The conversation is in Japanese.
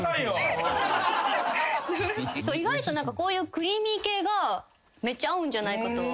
意外とこういうクリーミー系がめっちゃ合うんじゃないかと。